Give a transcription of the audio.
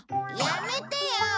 やめてよ